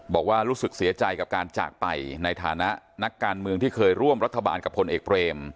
บอกว่ารู้สึกเสียใจกับการจากไปในฐานะนักการเมืองที่เคยร่วมรัฐบาลกับพลเอกเบรม